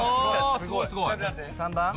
すごいすごい３番？